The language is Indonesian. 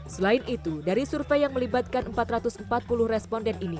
selain itu dari survei yang melibatkan empat ratus empat puluh responden ini